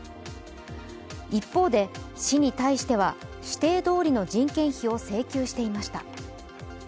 一方で、市に対しては指定通りの人件費を請求していました。